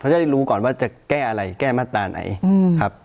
จะได้รู้ก่อนว่าจะแก้อะไรแก้มาตราไหนครับ